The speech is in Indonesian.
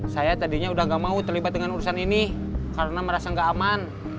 saya tadinya udah gak mau terlibat dengan urusan ini karena merasa nggak aman